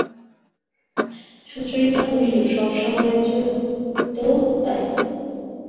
সুচরিতা কহিল, সব সমাজই তো তাই।